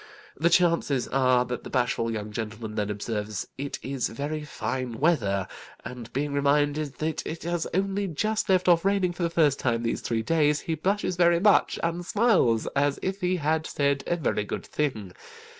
The chances are that the bashful young gentleman then observes it is very fine weather, and being reminded that it has only just left off raining for the first time these three days, he blushes very much, and smiles as if he had said a very good thing.